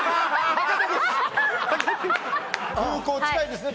博多腰空港近いですね